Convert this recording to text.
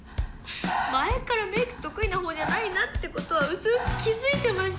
前からメイク得意な方じゃないなってことはうすうす気付いてました。